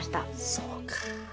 そうか。